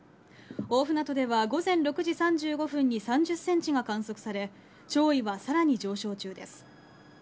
大船渡では午前６時３５分に３０センチが観測され、潮位はさらに上昇中です。